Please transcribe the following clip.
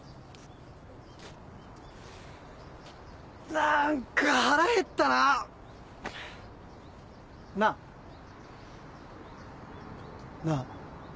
何か腹へったな！なぁ？なぁ